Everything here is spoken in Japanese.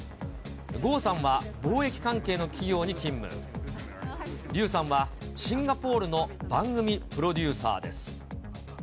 高さんは貿易関係の企業に勤務、柳さんは、シンガポールの番組プロデューサーです。